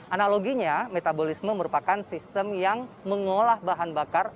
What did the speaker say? analoginya metabolisme merupakan sistem yang mengolah bahan bakar